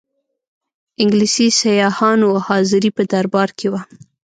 انګلیسي سیاحانو حاضري په دربار کې وه.